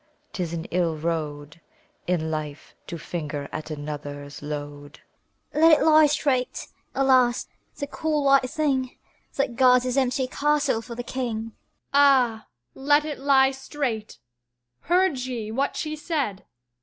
'Tis an ill road In life, to finger at another's load. VOICE Let it lie straight! Alas! the cold white thing That guards his empty castle for the King! A WOMAN Ah! "Let it lie straight!" Heard ye what she said?